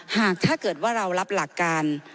ถ้าเกิดว่าเรารับหลักการ